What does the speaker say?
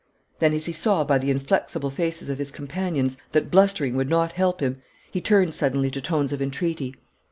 Then, as he saw by the inflexible faces of his companions that blustering would not help him, he turned suddenly to tones of entreaty.